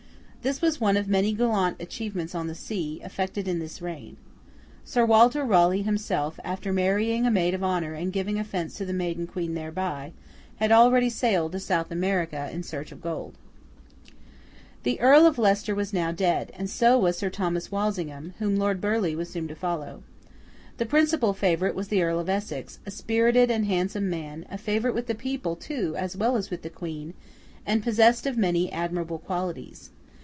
This was one of many gallant achievements on the sea, effected in this reign. Sir Walter Raleigh himself, after marrying a maid of honour and giving offence to the Maiden Queen thereby, had already sailed to South America in search of gold. The Earl of Leicester was now dead, and so was Sir Thomas Walsingham, whom Lord Burleigh was soon to follow. The principal favourite was the Earl of Essex, a spirited and handsome man, a favourite with the people too as well as with the Queen, and possessed of many admirable qualities.